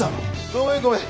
ごめんごめん。